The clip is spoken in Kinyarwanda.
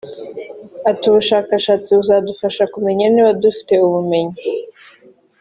Ati”Ubushakashatsi buzadufasha kumenya niba dufite ubumenyi